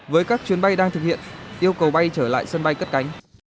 với các chuyến bay đang thực hiện yêu cầu bay trở lại sân bay cất cánh